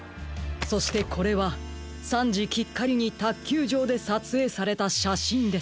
そしてこれは３じきっかりにたっきゅうじょうでさつえいされたしゃしんです。